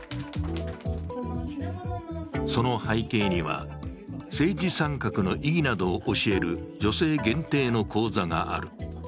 その背景には、政治参画の意義などを教える女性限定の講座がある。